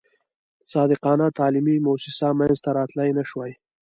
صادقانه تعلیمي موسسه منځته راتلای نه شوای.